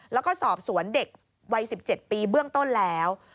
แล้วก็สอบสวนเด็กวัย๑๗ปีเบื้องต้นแล้ว